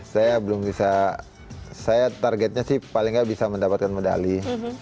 saya belum bisa saya targetnya sih paling nggak bisa mendapatkan medali